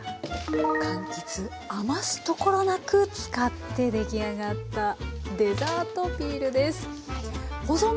かんきつ余すところなく使って出来上がったデザートピールです。